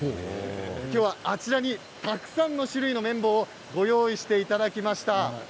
今日はあちらにたくさんの種類の綿棒をご用意していただきました。